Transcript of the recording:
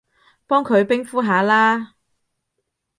幫佢冰敷下啦